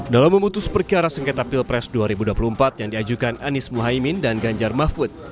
dalam memutus perkara sengketa pilpres dua ribu dua puluh empat yang diajukan anies muhaymin dan ganjar mahfud